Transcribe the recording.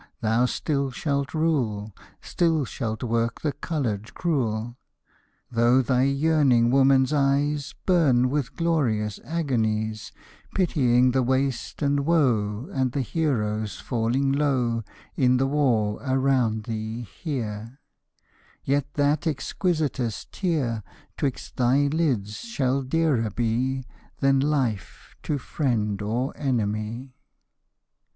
Thou still shalt rule, Still shalt work the colored crewl. Though thy yearning woman's eyes Burn with glorious agonies, Pitying the waste and woe, And the heroes falling low In the war around thee, here, Yet that exquisitest tear 'Twixt thy lids shall dearer be Than life, to friend or enemy.